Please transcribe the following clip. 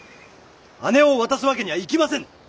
姉を渡すわけにはいきませぬ！